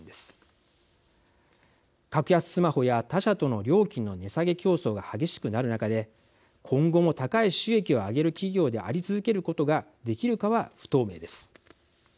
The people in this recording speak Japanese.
格安スマホや他社との料金の値下げ競争が激しくなる中で今後も高い収益を上げる企業であり続けることができるかは不透明です。